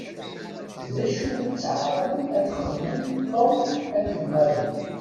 D acu i tteɛṛaḍen ad xedmen Tom akked Mary?